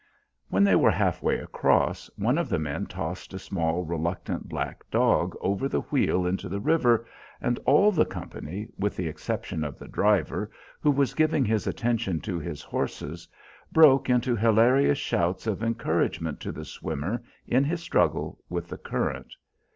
When they were halfway across, one of the men tossed a small, reluctant black dog over the wheel into the river, and all the company, with the exception of the driver, who was giving his attention to his horses, broke into hilarious shouts of encouragement to the swimmer in his struggle with the current.